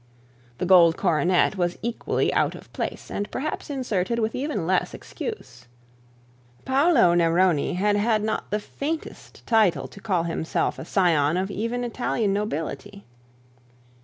The gold coronet was equally out of place, and perhaps inserted with even less excuse. Paul Neroni had not the faintest title to call himself a scion of even Italian nobility.